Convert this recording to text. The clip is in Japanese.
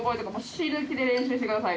死ぬ気で練習してください